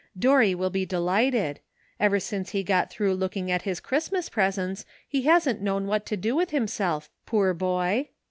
Dorry will be delighted. Ever since he got through looking at his Christmas presents he hasn't known what to do with himself, poor boy.